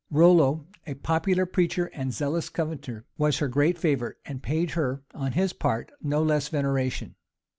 Rollo, a popular preacher, and zealous Covenanter, was her great favorite, and paid her, on his part, no less veneration.